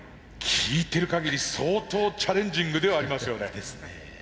聞いてるかぎり相当チャレンジングではありますよね。